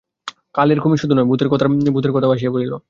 খালের কুমির শুধু নয়, ভূতোর কথার ভূতের কথাও আসিয়া পড়িল।